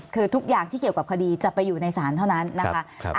คือทุกอย่างที่เกี่ยวกับคดีจะไปอยู่ในศาลเท่านั้นนะคะ